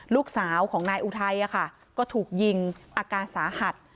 ลูกสาวของนายอุทัยก็ถูกยิงอาการสาหัส